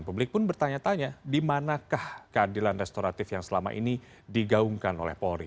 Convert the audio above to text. publik pun bertanya tanya di manakah keadilan restoratif yang selama ini digaungkan oleh polri